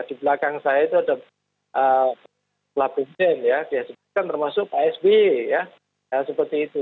di belakang saya itu ada pak presiden ya sebutkan termasuk pak sby ya seperti itu